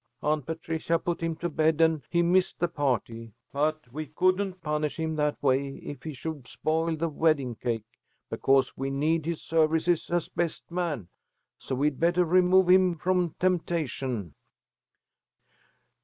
Aunt Patricia put him to bed and he missed the party, but we couldn't punish him that way if he should spoil the wedding cake, because we need his services as best man. So we'd better remove him from temptation."